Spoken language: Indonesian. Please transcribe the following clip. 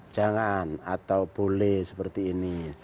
jangan atau boleh seperti ini